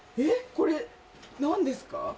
これなんですか？